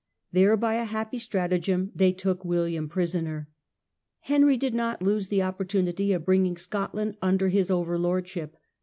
There by a happy stratagem they took William prisoner. Henry did not lose the opportunity of bringing Scotland under his overlordship.